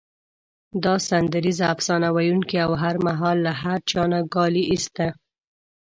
دا سندریز افسانه ویونکی او هر مهال له هر چا نه کالي ایسته.